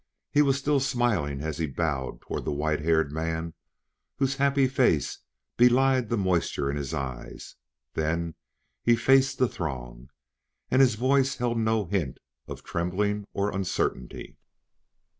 He was still smiling as he bowed toward the white haired man whose happy face belied the moisture in his eyes; then he faced the throng, and his voice held no hint of trembling or uncertainty.